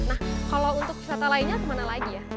nah kalau untuk wisata lainnya kemana lagi ya